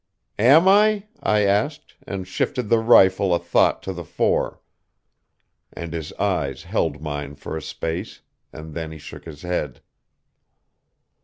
"'Am I?' I asked, and shifted the rifle a thought to the fore. And his eyes held mine for a space, and then he shook his head.